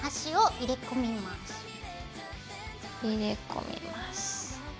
入れ込みます。